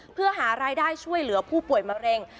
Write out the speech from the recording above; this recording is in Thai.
เพื่อหารายได้ช่วยเหลือผู้ป่วยมะเร็ง